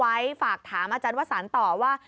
ถามที่ทิ้งเอาไว้ฝากถามอาจารย์ว่าศาลต่อว่า